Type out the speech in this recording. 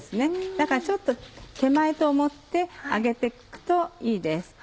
だからちょっと手前と思ってあげて行くといいです。